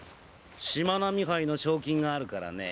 しまなみ杯の賞金があるからね。